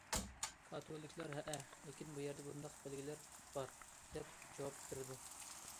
كاتولىكلار:« ھەئە، لېكىن بۇ يەردە بۇنداق بەلگىلەر بار!» دەپ جاۋاب بېرىدۇ.